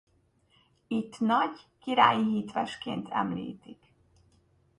Itt nagy királyi hitvesként említik.